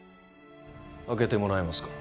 開けてもらえますか？